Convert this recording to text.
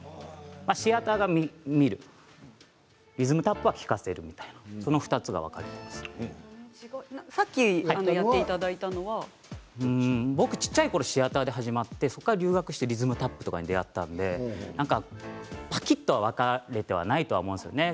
シアターは見るリズムタップは聞かせるみたいなさっきやっていただいたの僕小っちゃいころシアターで始まって留学してリズムタップに出会ったのでぱきっとは分かれていないと思うんですね。